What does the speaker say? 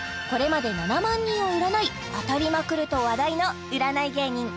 これまで７万人を占い当たりまくると話題の占い芸人